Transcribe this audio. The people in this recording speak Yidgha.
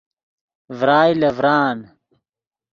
ڤرائے لے ڤران